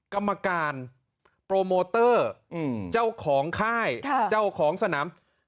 กรรมการโปรโมเตอร์เจ้าของค่ายเจ้าของสนาม